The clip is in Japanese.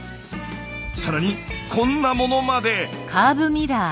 更にこんなものまで。